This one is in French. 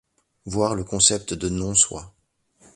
Voir le concept de non-soi.